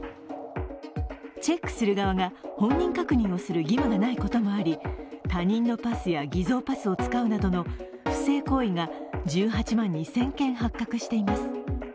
チェックする側が本人確認をする義務がないこともあり、他人のパスや偽造パスを使うなどの不正行為が１８万２０００件発覚しています。